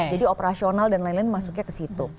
jadi operasional dan lain lain masuknya ke situ